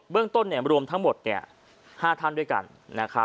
เบื้องต้นรวมทั้งหมด๕ท่าน